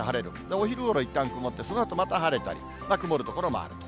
お昼ごろ、いったん曇って、そのあとまた晴れたり、曇る所もあると。